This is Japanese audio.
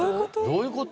どういう事？